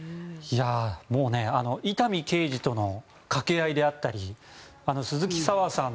もう伊丹刑事との掛け合いであったり鈴木砂羽さん